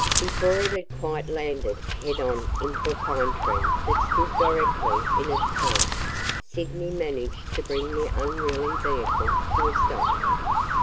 Before it had quite landed head on into a pine tree that stood directly in its path, Sydney managed to bring the unruly vehicle to a stop.